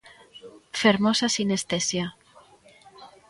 Fermosa sinestesia.